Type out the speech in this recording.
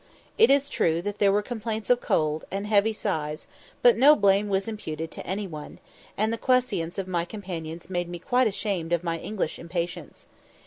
It is true that there were complaints of cold, and heavy sighs, but no blame was imputed to any one, and the quiescence of my companions made me quite ashamed of my English impatience.